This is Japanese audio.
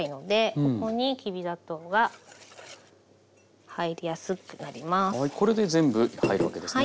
これで全部入るわけですね。